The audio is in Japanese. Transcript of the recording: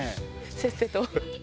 せっせと。